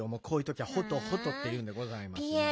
こういうときは「ほとほと」っていうんでございます。